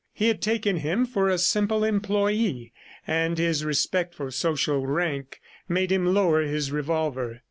He had taken him for a simple employee, and his respect for social rank made him lower his revolver.